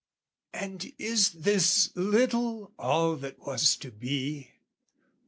And is this little all that was to be?